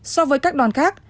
so với các đoàn khác